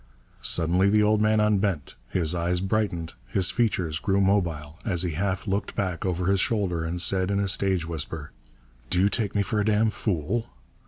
Suddenly the old man unbent, his eyes brightened, his features grew mobile, as he half looked back over his shoulder and said in a stage whisper, 'Do you take me for a damn fool?'